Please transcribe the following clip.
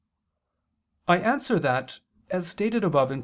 I answer that, As stated above (Q.